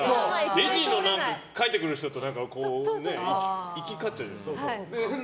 レジから帰ってくる人と行き交っちゃうじゃないですか。